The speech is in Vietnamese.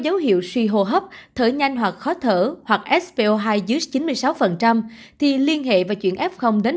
bệnh viện suy hô hấp thở nhanh hoặc khó thở hoặc svo hai dưới chín mươi sáu thì liên hệ và chuyển f đến